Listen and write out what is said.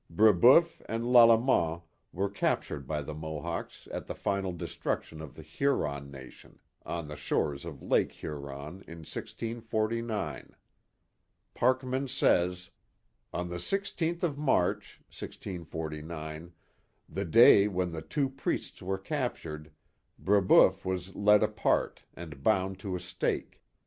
Brebeuf and Lalemant were captured by the Mohawks at the final destruction of the Huron nation on the shores of Lake Huron in 1649. Parkman says: On the sixteenth of March (1649) — the day when the two priests were captured — Brebeuf was led apart, and bound to a stake.